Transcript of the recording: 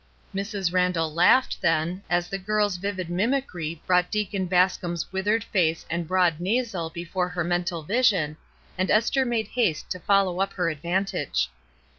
'' Mrs. Randall laughed, then, as the girFs \iAid mimicry brought Deacon Bascom's with ered face and broad nasal before her mental n.sion, and Esther made haste to follow up her advantage.